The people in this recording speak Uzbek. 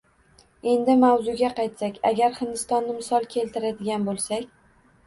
Endi mavzuga qaytsak, agar Hindistonni misol keltiradigan boʻlsak